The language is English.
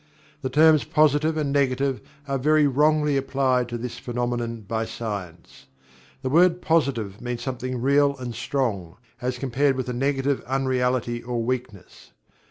The terms Positive and Negative are very wrongly applied to this phenomenon by science. The word Positive means something real and strong, as compared with a Negative unreality or weakness.